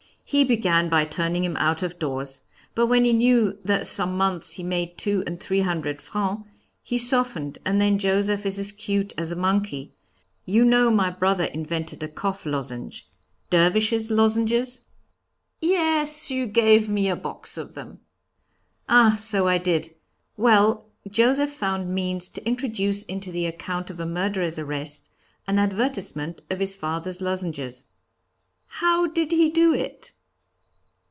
"He began by turning him out of doors. But when he knew that some months he made two and three hundred francs, he softened; and then Joseph is as cute as a monkey. You know my brother invented a cough lozenge, 'Dervishes' lozenges'?" "Yes, you gave me a box of them." "Ah! so I did. Well, Joseph found means to introduce into the account of a murderer's arrest an advertisement of his father's lozenges." "How did he do it?"